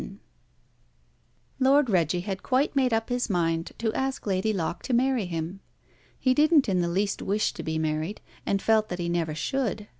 Lord Reggie had quite made up his mind to ask Lady Locke to marry him. He didn't in the least wish to be married, and felt that he never should.